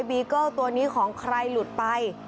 ีเกิ้ลตัวนี้ของใครหลุดไป